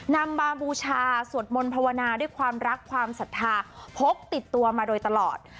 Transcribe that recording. นำมาบูชาสวดมนต์ภาวนาด้วยความรักความศรัทธาพกติดตัวมาโดยตลอด